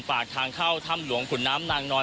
ปากทางเข้าถ้ำหลวงขุนน้ำนางนอน